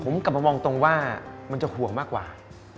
ผมกลับมามองตรงว่ามันจะห่วงมากกว่า